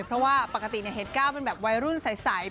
เพราะว่าปกติเห็ดก้าวเป็นแบบวัยรุ่นใส